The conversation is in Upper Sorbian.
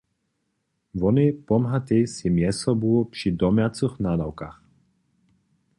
Wonej pomhatej sej mjez sobu při domjacych nadawkach.